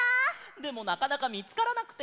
でもなかなかみつからなくて。